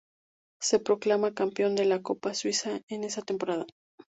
Se proclama campeón de la Copa Suiza en esa temporada.